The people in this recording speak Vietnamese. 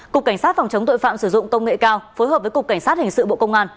cục cảnh sát phòng chống tội phạm sử dụng công nghệ cao phối hợp với cục cảnh sát hình sự bộ công an